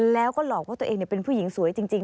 แล้วก็หลอกว่าตัวเองเป็นผู้หญิงสวยจริง